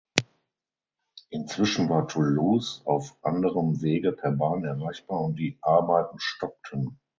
Inzwischen war Toulouse auf anderem Wege per Bahn erreichbar und die Arbeiten stockten.